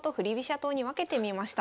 党に分けてみました。